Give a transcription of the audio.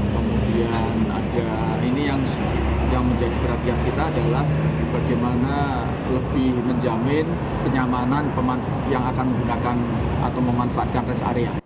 kemudian ada ini yang menjadi perhatian kita adalah bagaimana lebih menjamin kenyamanan yang akan menggunakan atau memanfaatkan rest area